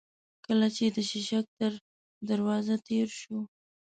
کله چې د شېشک تر دروازه تېر شوو.